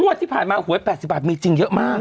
ที่ผ่านมาหวย๘๐บาทมีจริงเยอะมาก